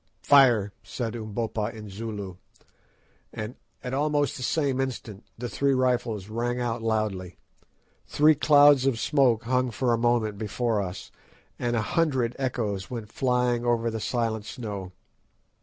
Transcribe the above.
"Fire," said Umbopa in Zulu, and at almost the same instant the three rifles rang out loudly; three clouds of smoke hung for a moment before us, and a hundred echoes went flying over the silent snow.